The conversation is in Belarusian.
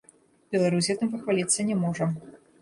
Беларусь гэтым пахваліцца не можа.